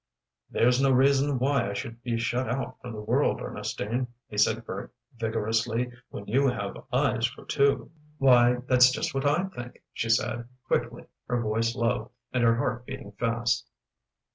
'" "There's no reason why I should be shut out from the world, Ernestine," he said vigorously, "when you have eyes for two." "Why, that's just what I think!" she said, quickly, her voice low, and her heart beating fast.